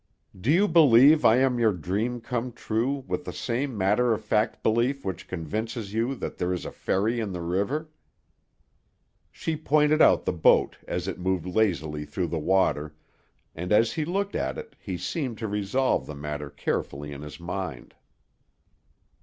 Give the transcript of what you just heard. "Do you believe I am your dream come true with the same matter of fact belief which convinces you that there is a ferry in the river?" She pointed out the boat as it moved lazily through the water, and as he looked at it he seemed to resolve the matter carefully in his mind.